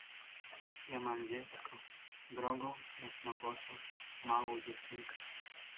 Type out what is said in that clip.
"Ja mam dziecko, drogą, jasnowłosą, małą dziewczynkę."